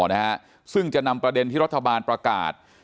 นะฮะซึ่งจะนำประเด็นที่รัฐบาลประกาศ